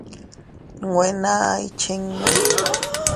Nwe naa ikchinnu.